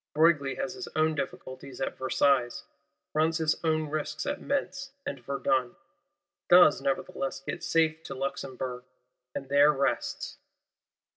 Broglie has his own difficulties at Versailles, runs his own risks at Metz and Verdun; does nevertheless get safe to Luxemburg, and there rests.